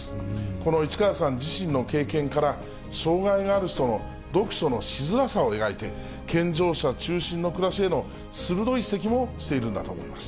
この市川さん自身の経験から、障がいがある人の読書のしづらさを描いている、健常者中心の暮らしへの鋭い指摘もしているんだと思います。